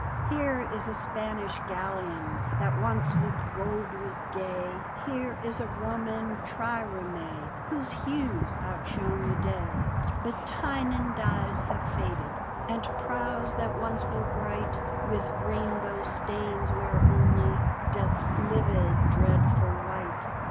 Here is a Spanish galleon That once with gold was gay, Here is a Roman trireme Whose hues outshone the day. D,gt,, erihyGOO^IC The White Ships and the Red But Tynan dyes have faded, And prows that once were bright With rainbow stains wear only Death's livid, dreadful white.